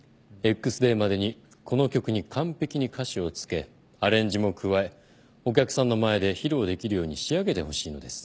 Ｘデーまでにこの曲に完璧に歌詞をつけアレンジも加えお客さんの前で披露できるように仕上げてほしいのです。